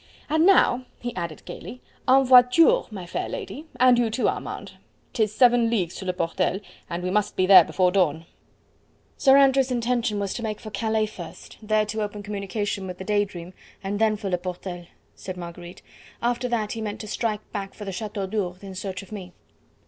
And now," he added gaily, "en voiture, my fair lady; and you, too, Armand. 'Tis seven leagues to Le Portel, and we must be there before dawn." "Sir Andrew's intention was to make for Calais first, there to open communication with the Day Dream and then for Le Portel," said Marguerite; "after that he meant to strike back for the Chateau d'Ourde in search of me."